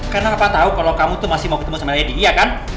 karena papa tau kalau kamu tuh masih mau ketemu sama lady iya kan